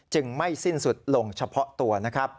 จึงไม่สิ้นสุดลงเฉพาะตัว